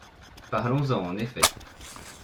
Parlons-en, en effet.